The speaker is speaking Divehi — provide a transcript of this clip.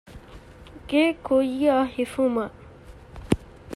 ގެ ކުއްޔަށް ހިފުމަށް